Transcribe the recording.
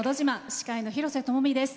司会の廣瀬智美です。